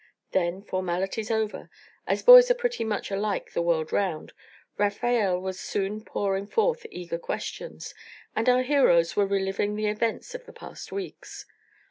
Then, formalities over, as boys are pretty much alike the world round, Rafael was soon pouring forth eager questions, and our heroes were reliving the events of the past weeks.